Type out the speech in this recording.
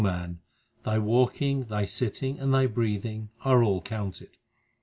man, thy walking, thy sitting, and thy breathing are all counted.